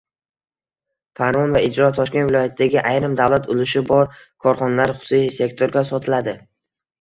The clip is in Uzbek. Farmon va ijro: Toshkent viloyatidagi ayrim davlat ulushi bor korxonalar xususiy sektorga sotiladi